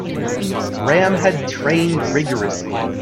Graham had trained rigourously.